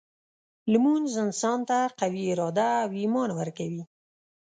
لمونځ انسان ته قوي اراده او ایمان ورکوي.